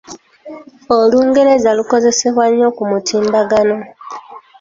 Olungereza lukozesebwa nnyo ku mutimbagano.